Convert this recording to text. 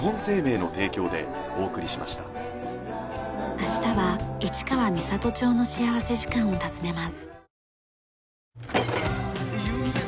明日は市川三郷町の幸福時間を訪ねます。